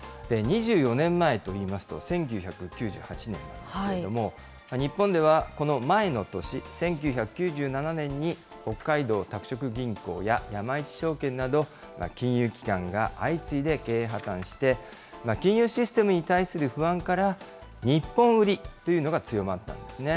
２４年前といいますと１９９８年ですけれども、日本ではこの前の年、１９９７年に北海道拓殖銀行や山一証券など、金融機関が相次いで経営破綻して、金融システムに対する不安から、日本売りというのが強まったんですね。